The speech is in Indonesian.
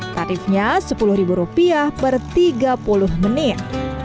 tarifnya sepuluh rupiah per tiga puluh menit